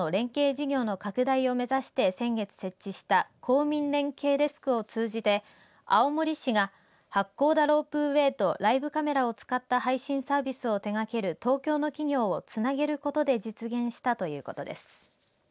事業の拡大を目指して先月設置した公民連携デスクを通じて青森市が発行のロープウェーとライブカメラを使った配信サービスを手がける東京の企業をつなげることで実現したということです。